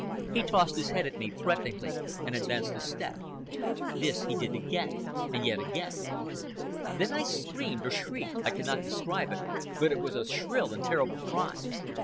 He tossed his head at me threateningly and advanced a step. This he did again, and yet again. Then I screamed...or shrieked—I cannot describe it, but it was a shrill and terrible cry.